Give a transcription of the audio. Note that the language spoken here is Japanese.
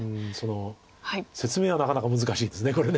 説明はなかなか難しいですこれ。